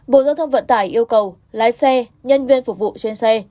bộ giao thông vận tải yêu cầu lái xe nhân viên phục vụ trên xe